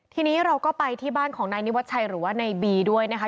ทีนี้เราก็ไปที่บ้านของนายนิวัชชัยหรือว่าในบีด้วยนะคะ